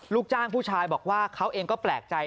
ลูกจ้างผู้ชายบอกว่าเขาเองก็แปลกใจ